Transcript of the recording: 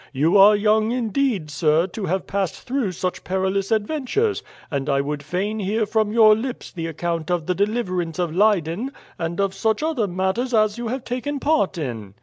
You are young indeed, sir, to have passed through such perilous adventures; and I would fain hear from your lips the account of the deliverance of Leyden, and of such other matters as you have taken part in."